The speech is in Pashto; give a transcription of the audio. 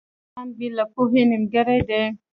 • انسان بې له پوهې نيمګړی دی.